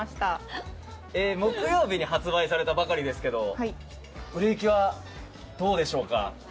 木曜日に発売されたばかりですけど売れ行きはどうでしょうか。